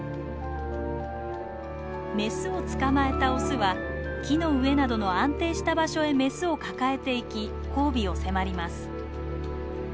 メスを捕まえたオスは木の上などの安定した場所へメスを抱えていき交尾を迫ります。